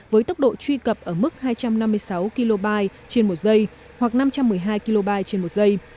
với tốc độ truy cập ở mức hai trăm năm mươi sáu k trên một giây hoặc năm trăm một mươi hai k trên một giây